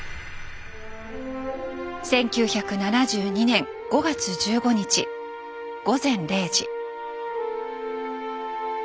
１９７２年５月１５日午前０時。